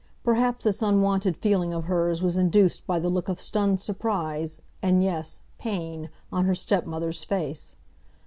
Perhaps this unwonted feeling of hers was induced by the look of stunned surprise and, yes, pain, on her stepmother's face.